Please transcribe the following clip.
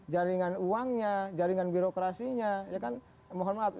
jaringan uangnya jaringan birokrasinya ya kan mohon maaf